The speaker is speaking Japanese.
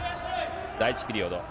第１ピリオド。